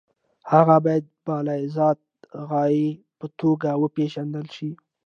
هغه باید د بالذات غایې په توګه وپېژندل شي.